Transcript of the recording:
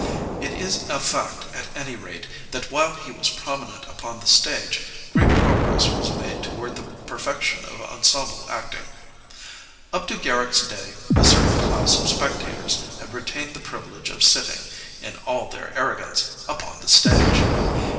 It is a fact, at any rate, that while he was prominent upon the stage great progress was made toward the perfection of ensem ble acting. Up to Garrick's day a certain class of spectators had retained the privilege of sitting, in all their arrogance, upon the stage.